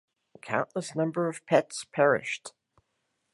Countless number of pets perished.